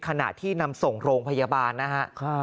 ขณะที่นำส่งโรงพยาบาลนะฮะ